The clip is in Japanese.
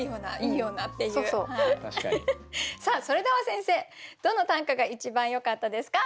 さあそれでは先生どの短歌が一番よかったですか？